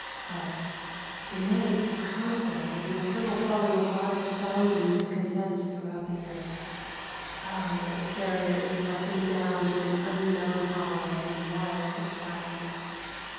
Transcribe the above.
Hark ! the night disconcord of the eternal falling of waters sounding discontent throughout the earth — O, a chariot is rushing down to an unknown hollow in wild triumph